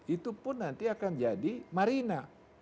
itu pun nanti akan jadi marina